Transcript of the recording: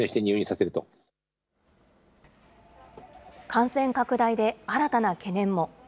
感染拡大で、新たな懸念も。